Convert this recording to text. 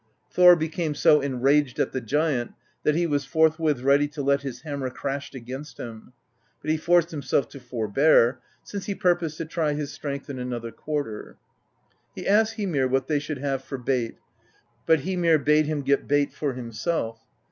Thor became so enraged at the giant that he was forthwith ready to let his hammer crash against him; but he forced himself to for bear, since he purposed to try his strength in another quar ter. He asked Hymir what they should have for bait, but Hymir bade him get bait for himself.